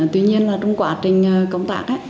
tuy nhiên trong quá trình công tác